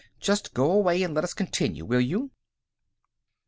"Just go away and let us continue, will you?"